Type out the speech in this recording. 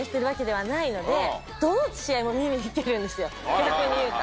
逆に言うと。